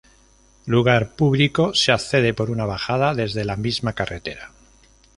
Lugar público, se accede por una bajada desde la misma carretera.